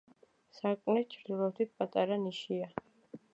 სარკმლის ჩრდილოეთით პატარა ნიშია.